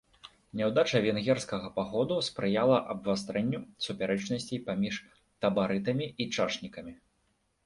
Няўдача венгерскага паходу спрыяла абвастрэнню супярэчнасцей паміж табарытамі і чашнікамі.